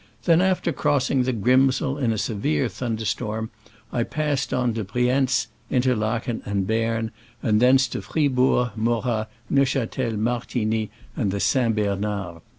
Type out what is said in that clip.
Then, after crossing the Grimsel in a severe thunder storm, I passed on to Brienz, I nterlachen and Berne, and thence to Fri bourg and Mo rat, Neuchatel, Martigny and the St. Bernard.